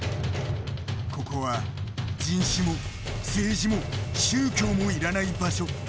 ここは人種も政治も宗教もいらない場所。